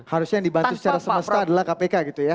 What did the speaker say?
harusnya yang dibantu secara semesta adalah kpk gitu ya